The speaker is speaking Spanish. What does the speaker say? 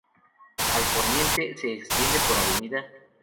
Al poniente, se extiende por Av.